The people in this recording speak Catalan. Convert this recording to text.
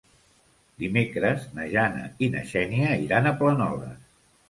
Dimecres na Jana i na Xènia iran a Planoles.